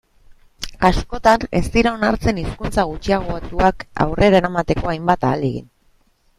Askotan ez dira onartzen hizkuntza gutxiagotuak aurrera eramateko hainbat ahalegin.